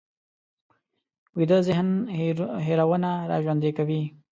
ویده ذهن هېرونه راژوندي کوي